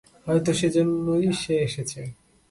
হয়তো সেজন্যই সে এসেছে।